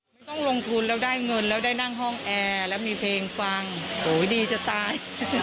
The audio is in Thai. ไม่ต้องลงทุนแล้วได้เงินแล้วได้นั่งห้องแอร์แล้วมีเพลงฟังโอ้ยดีจะตาย